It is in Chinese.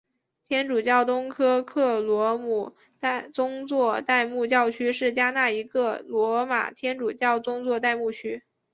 天主教东科克罗姆宗座代牧教区是加纳一个罗马天主教宗座代牧区。